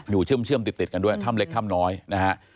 เชื่อมติดกันด้วยถ้ำเล็กถ้ำน้อยนะฮะ